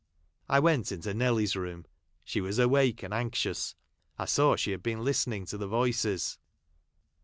I went into Nelly's room. She was awake, and anxious. I saw she had been listening to the voices.